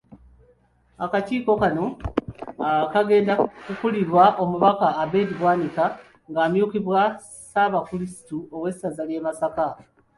Akakiiko kano kagenda kukulirwa Omubaka Abed Bwanika ng’amyukibwa ssaabakulisitu w’essaza ly’e Masaka.